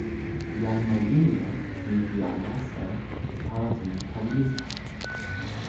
jan majuna ni li alasa e kasi palisa.